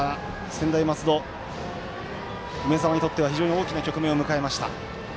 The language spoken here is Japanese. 専大松戸、梅澤にとっては非常に大きな局面を迎えました。